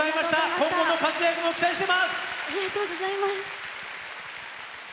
今後の活躍も期待しています！